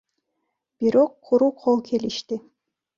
Бирок куру кол келишти.